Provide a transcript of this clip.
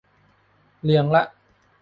เรียงละ